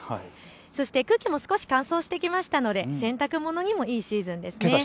そして空気も少し乾燥してきましたので洗濯物にもいいシーズンですね。